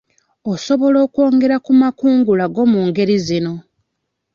Osobola okwongera ku makungula go mu ngeri zino.